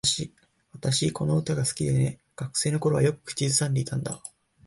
私、この歌が好きでね。学生の頃はよく口ずさんでたんだ。